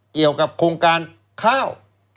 เกี่ยวกับโครงการข้าว